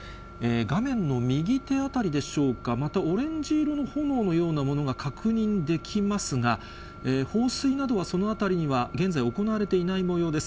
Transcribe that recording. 画面の右手辺りでしょうか、またオレンジ色の炎のようなものが確認できますが、放水などはその辺りは、現在行われていないもようです。